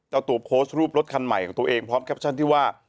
เจ้าตัวโพสต์รูปรถคันใหม่ของตัวเองพร้อมแคปชั่นที่ว่า